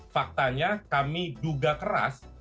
faktanya kami juga keras